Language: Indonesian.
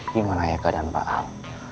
gimana ya keadaan pak al